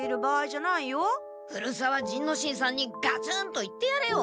古沢仁之進さんにガツンと言ってやれよ。